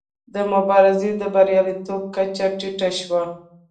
د مبارزو د بریالیتوب کچه ټیټه شوې.